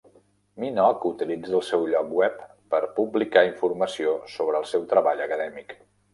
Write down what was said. Minogue utilitza el seu lloc web per publicar informació sobre el seu treball acadèmic.